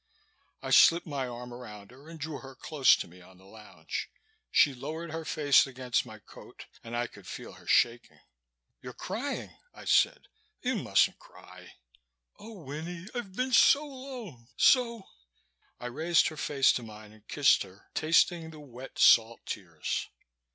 I slipped my arm around her and drew her close to me on the lounge. She lowered her face against my coat and I could feel her shaking. "You're crying!" I said. "You mustn't cry." "Oh, Winnie, I've been so alone so " I raised her face to mine and kissed her, tasting the wet, salt tears.